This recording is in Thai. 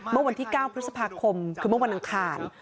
เมื่อวันที่๙พฤษภาคมคือเมื่อวันอังคาร